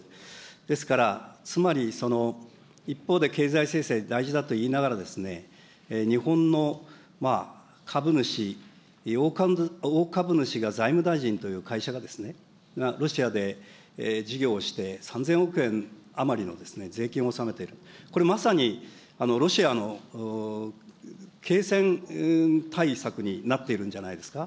ですから、つまり一方で、経済制裁大事だと言いながらですね、日本の株主、大株主が財務大臣という会社がですね、ロシアで事業をして、３０００億円余りの税金を納めている、これまさに、ロシアの継戦対策になっているんじゃないですか。